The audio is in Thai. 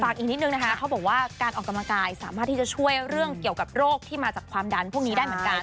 อีกนิดนึงนะคะเขาบอกว่าการออกกำลังกายสามารถที่จะช่วยเรื่องเกี่ยวกับโรคที่มาจากความดันพวกนี้ได้เหมือนกัน